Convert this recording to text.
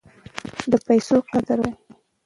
د پیسو قدر وکړئ.